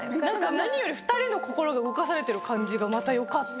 何より２人の心が動かされてる感じがまたよかった。